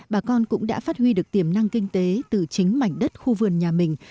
bà con cũng đã phát huy được tiềm năng kinh tế từ chính mảnh đất khu vườn nhà mình